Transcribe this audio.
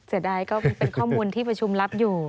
เสียดายก็เป็นข้อมูลที่ประชุมรับอยู่